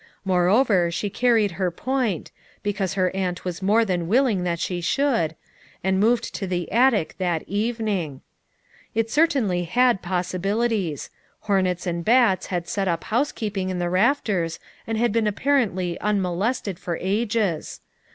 Moreover she carried her point, because her aunt was more than will ing that she should, and moved to the attic that evening. It certainly had possibilities ; hornets and bats had set up housekeeping in the raft ers and been apparently unmolested for ages.